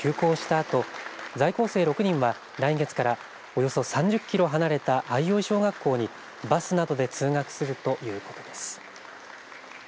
あと在校生６人は来月からおよそ３０キロ離れた相生小学校にバスなどで通学するということです。